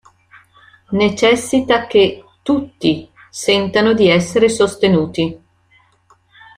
Necessita che "tutti" sentano di essere sostenuti.